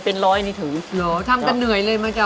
ก็๘โมงถึงเย็นแล้วครับตอนนี้นะครับ